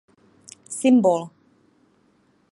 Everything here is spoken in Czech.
Symbol.